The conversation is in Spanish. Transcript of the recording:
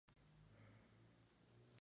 La Jarrie-Audouin